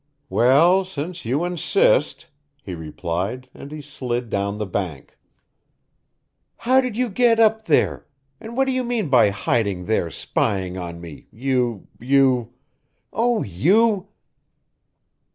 "Well, since you insist," he replied, and he slid down the bank. "How did you get up there and what do you mean by hiding there spying on me, you you oh, YOU!"